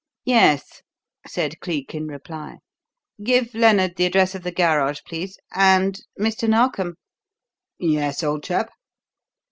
"Yes," said Cleek in reply. "Give Lennard the address of the garage, please; and Mr. Narkom!" "Yes, old chap?"